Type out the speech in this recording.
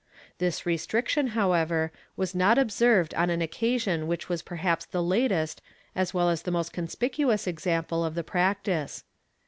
^ This restriction, however, was not observed on an occasion which was perhaps the latest as well as the most conspicuous example of the practice.